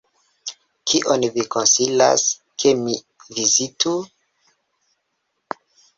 Kion vi konsilas, ke mi vizitu?